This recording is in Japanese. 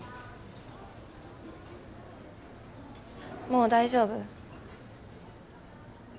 もう大丈夫？